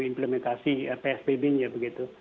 implementasi psbb nya begitu